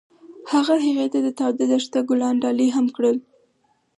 هغه هغې ته د تاوده دښته ګلان ډالۍ هم کړل.